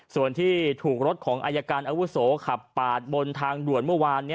ส่วนที่ถูกรถของอายการอาวุโสขับปาดบนทางด่วนเมื่อวาน